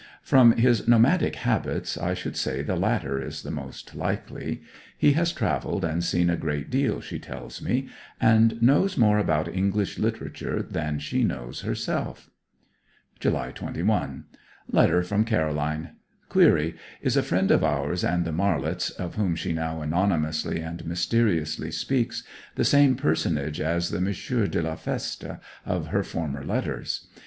From his nomadic habits I should say the latter is the most likely. He has travelled and seen a great deal, she tells me, and knows more about English literature than she knows herself. July 21. Letter from Caroline. Query: Is 'a friend of ours and the Marlets,' of whom she now anonymously and mysteriously speaks, the same personage as the 'M. de la Feste' of her former letters?